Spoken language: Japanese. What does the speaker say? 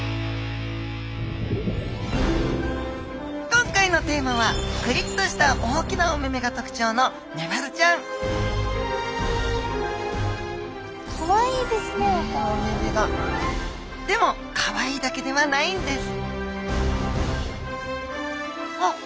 今回のテーマはクリッとした大きなお目々が特徴のメバルちゃんでもかわいいだけではないんですあっ